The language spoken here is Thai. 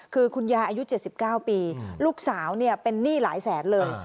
คือคุณยายอายุ๗๙ปีลูกสาวเป็นหนี้หลายแสนเลย